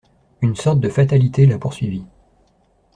Une sorte de fatalité l'a poursuivi.